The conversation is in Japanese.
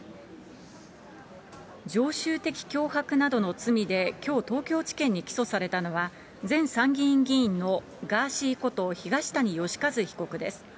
常習的脅迫などの罪できょう、東京地検に起訴されたのは、前参議院議員のガーシーこと東谷義和被告です。